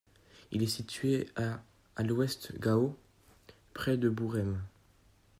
Il est situé à à l'ouest Gao, près de Bourem.